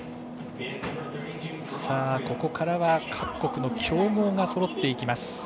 ここからは各国の強豪がそろっていきます。